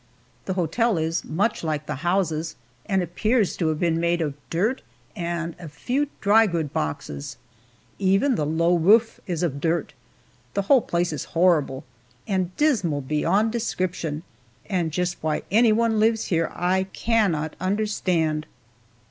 The hotel is much like the houses, and appears to have been made of dirt, and a few drygoods boxes. Even the low roof is of dirt. The whole place is horrible, and dismal beyond description, and just why anyone lives here I cannot understand.